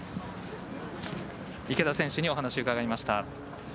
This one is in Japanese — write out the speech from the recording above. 池田選手にお話伺いました。